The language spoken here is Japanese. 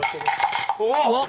うわっ！